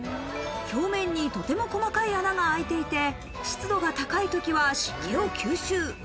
表面にとても細かい穴が開いていて、湿度が高いときは湿気を吸収。